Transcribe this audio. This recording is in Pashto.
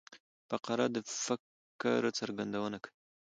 فقره د فکر څرګندونه کوي.